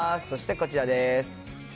そしてこちらです。